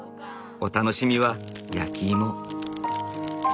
お楽しみは焼き芋。